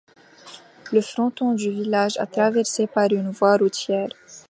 Le fronton du village est traversé par une voie routière.